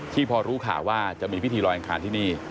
พอรู้ข่าวว่าจะมีพิธีลอยอังคารที่นี่